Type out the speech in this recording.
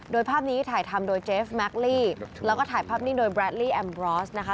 โดยภาพนี้ถ่ายทำโดยเจฟแม็กลี่แล้วก็ถ่ายภาพนิ่งโดยแรดลี่แอมบรอสนะคะ